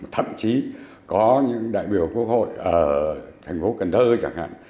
thậm chí có những đại biểu quốc hội ở thành phố cần thơ chẳng hạn